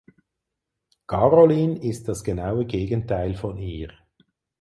Caroline ist das genaue Gegenteil von ihr.